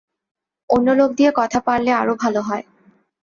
অন্য লোক দিয়ে কথা পাড়লে আরও ভাল হয়।